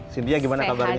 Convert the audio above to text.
sinti bagaimana kabarnya